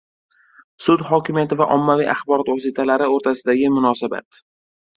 Sud hokimiyati va ommaviy axborot vositalari o‘rtasidagi munosabat